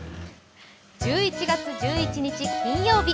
１１月１１日、金曜日。